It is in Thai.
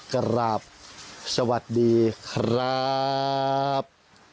กราบสวัสดีครับ